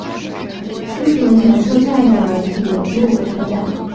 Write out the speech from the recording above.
初田牛车站的铁路车站。